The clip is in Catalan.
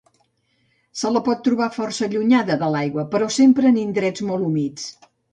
Se la pot trobar força allunyada de l'aigua, però sempre en indrets molt humits.